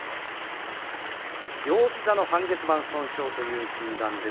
両膝の半月板損傷という診断です。